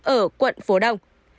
ở quận phố đông